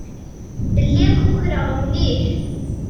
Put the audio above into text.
Lliɣ kukraɣ mliḥ.